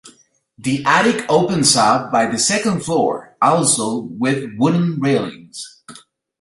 The attic opens up on the second floor, also with wooden railings.